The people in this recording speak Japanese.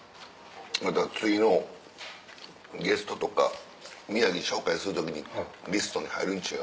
また次のゲストとか宮城紹介する時にリストに入るん違う？